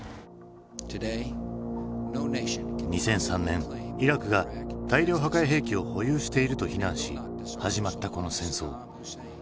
２００３年イラクが大量破壊兵器を保有していると非難し始まったこの戦争。